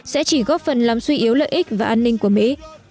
sẽ chỉ góp phần làm suy yếu lợi ích và an ninh của mỹ